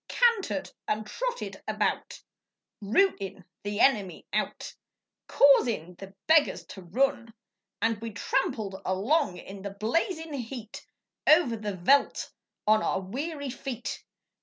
Cantered and trotted about, Routin' the enemy out, Causin' the beggars to run! And we tramped along in the blazin' heat, Over the veldt on our weary feet.